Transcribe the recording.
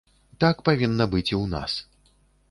Так павінна быць і ў нас.